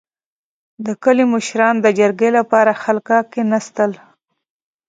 • د کلي مشران د جرګې لپاره حلقه کښېناستل.